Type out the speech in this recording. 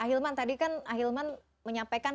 ahilman tadi kan ahilman menyampaikan